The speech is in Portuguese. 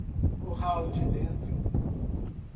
Curral de Dentro